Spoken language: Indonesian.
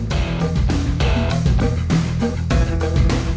terima kasih kepada brama bavali